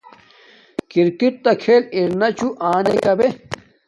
کرکٹ تݳ کھݵل اِرِݵ چءݳئݺ کبݺ؟